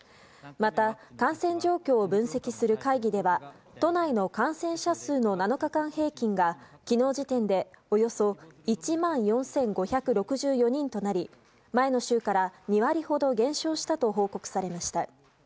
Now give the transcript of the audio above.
また、感染状況を分析する会議では都内の感染者数の７日間平均が昨日時点でおよそ１万４５６４人となり前の週から２割ほど減少したと報告されました。